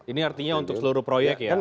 ini artinya untuk seluruh proyek ya